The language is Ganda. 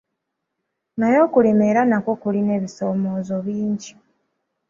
Naye okulima era nakwo kulina ebisoomoozo bingi.